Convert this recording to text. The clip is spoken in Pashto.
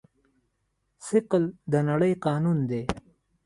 ثقل د نړۍ قانون دی.